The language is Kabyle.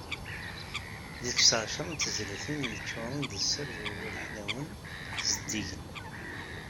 Deg-s εecra n tezlatin yeččuren d sser d wawal ḥlawen, zeddigen.